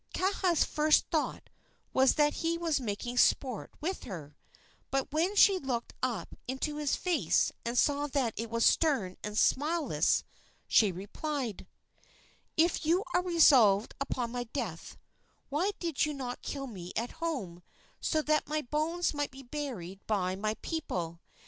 Kaha's first thought was that he was making sport with her; but when she looked up into his face and saw that it was stern and smileless, she replied: "If you are resolved upon my death, why did you not kill me at home, so that my bones might be buried by my people?